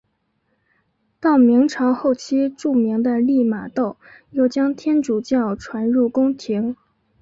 到明朝后期著名的利玛窦又将天主教传入宫廷。